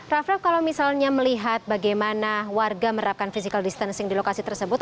raffra kalau misalnya melihat bagaimana warga merapkan physical distancing di lokasi tersebut